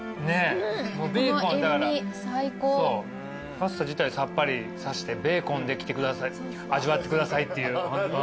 パスタ自体さっぱりさせてベーコンできてください味わってくださいっていう。